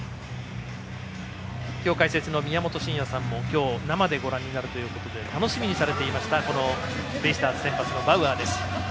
今日、解説の宮本慎也さんも今日、生でご覧になるということで楽しみにされていましたベイスターズ先発のバウアーです。